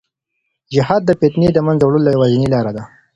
جهاد د فتنې د منځه وړلو یوازینۍ لار ده.